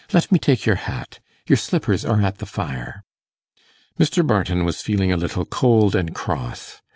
Let me take your hat. Your slippers are at the fire.' Mr. Barton was feeling a little cold and cross.